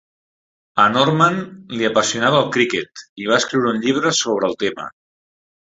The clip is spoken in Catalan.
A Norman li apassionava el cricket; i va escriure un llibre sobre el tema.